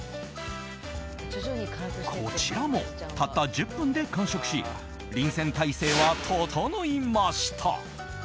こちらも、たった１０分で完食し臨戦態勢は整いました。